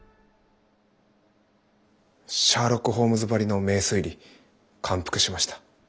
シャーロック・ホームズばりの名推理感服しました。